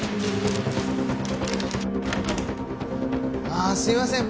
ああすいません。